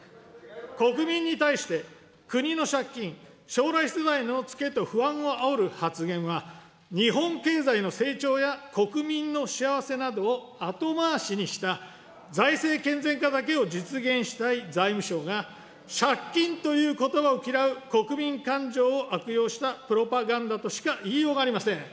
国民に対して、国の借金、将来世代のつけと不安をあおる発言は、日本経済の成長や国民の幸せなどを後回しにした、財政健全化だけを実現したい財務省が、借金ということばを嫌う国民感情を悪用したプロパガンダとしか言いようがありません。